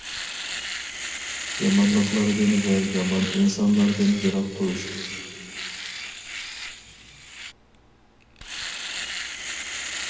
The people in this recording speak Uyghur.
يامانلىقلاردىن ۋە يامان ئىنسانلاردىن يىراق تۇرۇش.